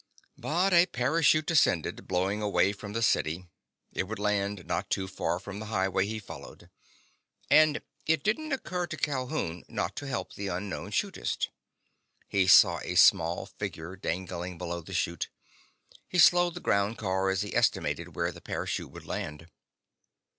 But a parachute descended, blowing away from the city. It would land not too far from the highway he followed. And it didn't occur to Calhoun not to help the unknown chutist. He saw a small figure dangling below the chute. He slowed the ground car as he estimated where the parachute would land.